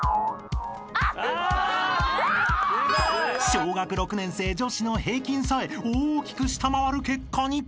［小学６年生女子の平均さえ大きく下回る結果に］